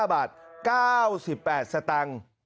๑๒๔๘๕๕๕บาท๙๘สตังค์